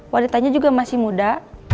wanitanya juga masih muda